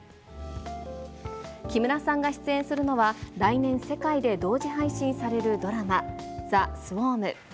木村さんが出演するのは、来年、世界で同時配信されるドラマ、ザ・スウォーム。